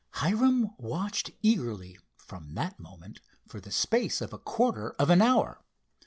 Hiram watched eagerly, from that moment, for the space of a quarter of an hour.